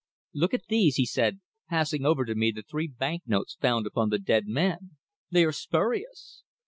"Look at these," he said, passing over to me the three banknotes found upon the dead man. "They are spurious!"